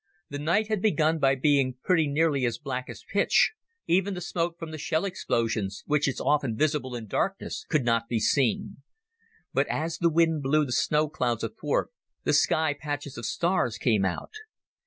The night had begun by being pretty nearly as black as pitch; even the smoke from the shell explosions, which is often visible in darkness, could not be seen. But as the wind blew the snow clouds athwart the sky patches of stars came out.